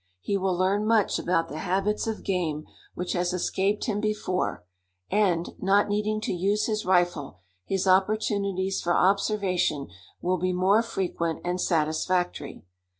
He will learn much about the habits of game which has escaped him before; and, not needing to use his rifle, his opportunities for observation will be more frequent and satisfactory.